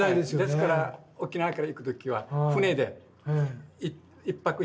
ですから沖縄から行く時は船で１泊して鹿児島着いて。